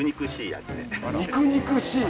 肉肉しい？